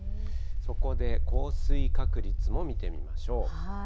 そこで降水確率も見てみましょう。